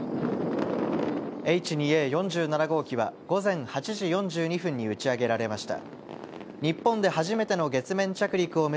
Ｈ２Ａ４７号機は午前８時４２分に打ち上げられました